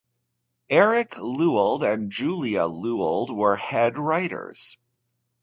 Eric Lewald and Julia Lewald were head writers.